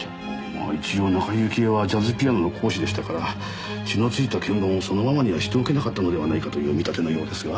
まあ一応中井雪絵はジャズピアノの講師でしたから血の付いた鍵盤をそのままにはしておけなかったのではないかという見立てのようですが。